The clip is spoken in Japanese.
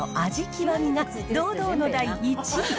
極が堂々の第１位。